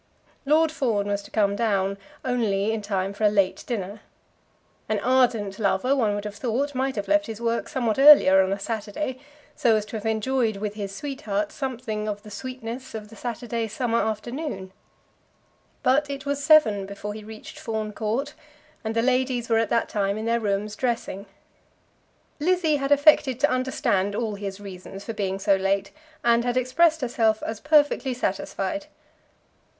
Lord Fawn was to come down only in time for a late dinner. An ardent lover, one would have thought, might have left his work somewhat earlier on a Saturday, so as to have enjoyed with his sweetheart something of the sweetness of the Saturday summer afternoon; but it was seven before he reached Fawn Court, and the ladies were at that time in their rooms dressing. Lizzie had affected to understand all his reasons for being so late, and had expressed herself as perfectly satisfied.